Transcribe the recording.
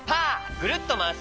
ぐるっとまわすよ。